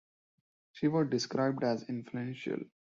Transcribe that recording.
She was described as influential.